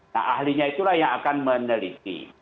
nah ahlinya itulah yang akan meneliti